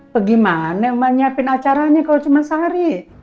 begimana emak siapin acaranya kalau cuma sehari